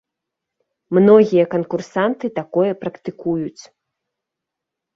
Многія канкурсанты такое практыкуюць.